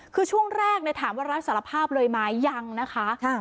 คือช่วงแรกเนี่ยถามว่ารักษารภาพเลยมายังนะคะค่ะ